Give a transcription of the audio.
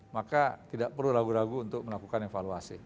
maka tidak perlu ragu ragu untuk melakukan evaluasi